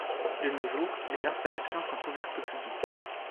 De nos jours, les installations sont ouvertes au public.